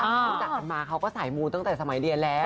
รู้จักกันมาเขาก็สายมูตั้งแต่สมัยเรียนแล้ว